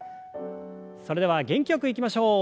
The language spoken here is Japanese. それでは元気よくいきましょう。